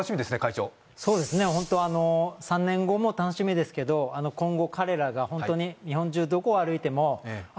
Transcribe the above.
長そうですね３年後も楽しみですけど今後彼らがホントに日本中どこを歩いてもあ！